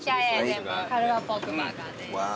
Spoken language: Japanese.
カルーアポークバーガーです。